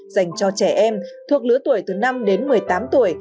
dành cho trẻ em thuộc lứa tuổi từ năm đến một mươi tám tuổi